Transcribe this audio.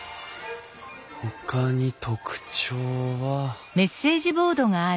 ほかに特徴は。